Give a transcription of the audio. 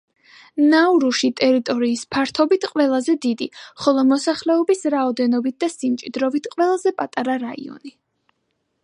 ნაურუში ტერიტორიის ფართობით ყველაზე დიდი, ხოლო მოსახლეობის რაოდენობით და სიმჭიდროვით ყველაზე პატარა რაიონი.